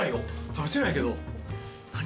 食べてないけど何？